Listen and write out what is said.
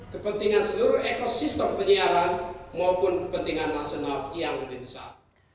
kepentingan seluruh ekosistem penyiaran maupun kepentingan nasional yang lebih besar